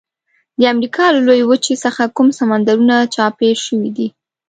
د امریکا له لویې وچې څخه کوم سمندرونه چاپیر شوي دي؟